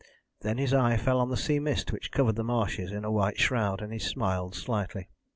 Then his eye fell on the sea mist which covered the marshes in a white shroud, and he smiled slightly.